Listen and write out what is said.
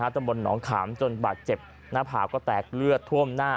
ตำบลหนองขามจนบาดเจ็บหน้าผาก็แตกเลือดท่วมหน้า